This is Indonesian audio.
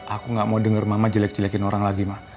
aku gak mau denger mama jelek jelekin orang lagi mah